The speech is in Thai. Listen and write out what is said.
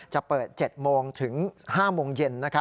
จะเปิด๗โมงถึง๕โมงเย็น